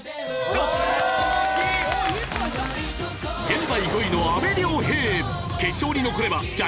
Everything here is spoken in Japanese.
現在５位の阿部亮平。